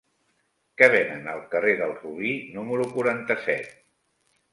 Què venen al carrer del Robí número quaranta-set?